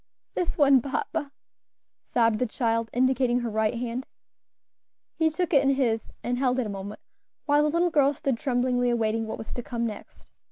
"This one, papa," sobbed the child, indicating her right hand. He took it in his and held it a moment, while the little girl stood tremblingly awaiting what was to come next.